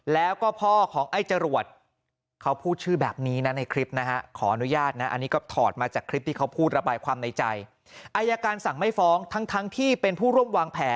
แล้วก็พ่อของไอ้จรวรษเขาพูดชื่อแบบนี้นะในคลิปนะฮะ